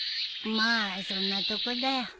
まあそんなとこだよ。